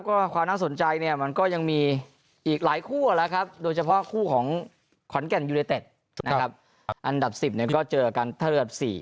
ก็ความน่าสนใจเนี่ยมันก็ยังมีอีกหลายคู่แล้วครับโดยเฉพาะคู่ของขอนแก่นยูเนเต็ดนะครับอันดับ๑๐เนี่ยก็เจอกันเท่าอันดับ๔